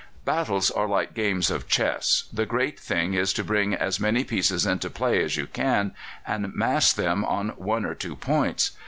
Battles are like games of chess. The great thing is to bring as many pieces into play as you can and mass them on one or two points.